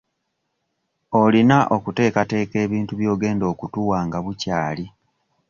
Olina okuteekateeka ebintu by'ogenda okutuwa nga bukyali.